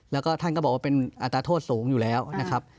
แล้วก็ท่านก็บอกว่าเป็นอัตราโทษสูงอยู่แล้วนะครับ